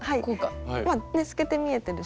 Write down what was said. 透けて見えてるし。